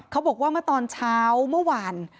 เขาบอกว่าเมื่อตอนเช้าเมื่อวาน